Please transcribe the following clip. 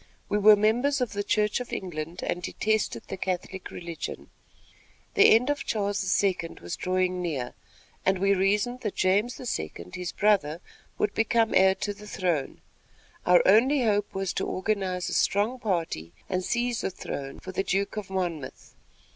We were members of the Church of England and detested the Catholic Religion. The end of Charles II. was drawing near, and we reasoned that James II., his brother, would become heir to the throne. Our only hope was to organize a strong party and seize the throne for the Duke of Monmouth.